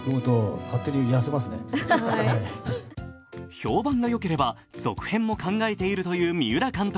評判がよければ続編も考えているという三浦監督。